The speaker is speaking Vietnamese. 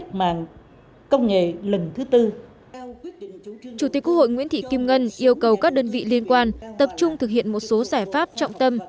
chủ tịch quốc hội nguyễn thị kim ngân yêu cầu các đơn vị liên quan tập trung thực hiện một số giải pháp trọng tâm